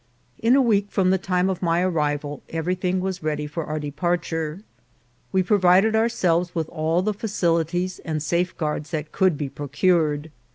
In a week from the time of my arrival everything was ready for our de parture. We provided ourselves with all the facilities and safeguards that could be procured.